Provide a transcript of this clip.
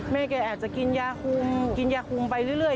แม่แกอาจจะกินยาคุมกินยาคุมไปเรื่อย